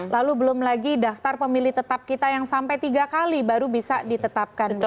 lalu belum lagi daftar pemilih tetap kita yang sampai tiga kali baru bisa ditetapkan